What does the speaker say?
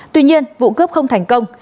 tuy nhiên vụ cướp không thành công